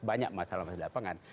banyak masalah di lapangan